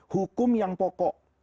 hukum yang pokok